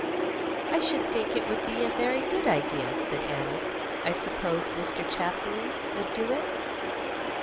"I should think it would be a very good idea," said Annie. "I suppose Mr. Chapley would do it?"